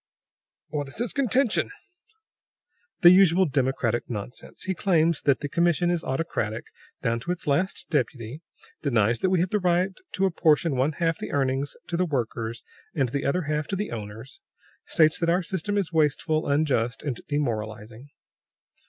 "What is his contention?" "The usual democratic nonsense. He claims that the commission is autocratic, down to its last deputy. Denies that we have the right to apportion one half the earnings to the workers and the other half to the owners. States that our system is wasteful, unjust, and demoralizing."